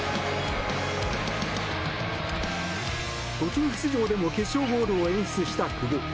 途中出場でも決勝ゴールを演出した久保。